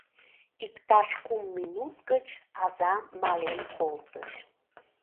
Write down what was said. Иктаж кум минут гыч аза мален колтыш.